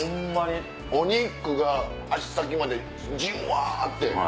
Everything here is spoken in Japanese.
お肉が足先までジュワ！って。